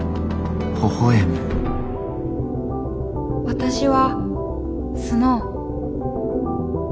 私はスノウ。